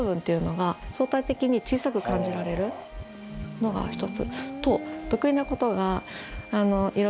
のが一つと。